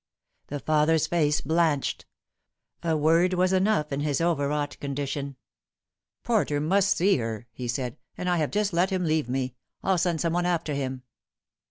The father's face blanched. A word was enough in his over wrought condition. "Porter must see her," he said ;" and I have just let him leave me. I'll send some one after him."